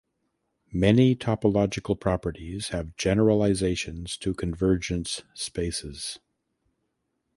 Many topological properties have generalizations to convergence spaces.